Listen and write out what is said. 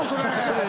それ。